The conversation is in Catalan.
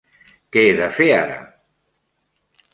Què he de fer ara?